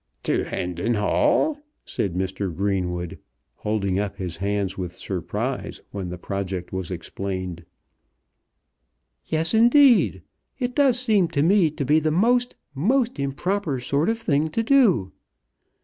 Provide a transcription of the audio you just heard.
"To Hendon Hall!" said Mr. Greenwood, holding up his hands with surprise when the project was explained. "Yes, indeed! It does seem to me to be the most, most improper sort of thing to do."